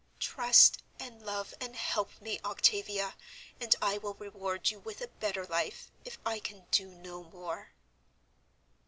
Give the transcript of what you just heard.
Trust and love and help me, Octavia, and I will reward you with a better life, if I can do no more."